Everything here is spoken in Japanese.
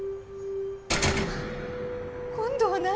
・今度は何？